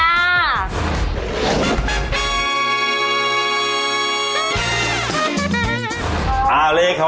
ไม่ต้องเครียด